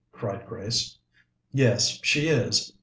cried Grace. "Yes, she is.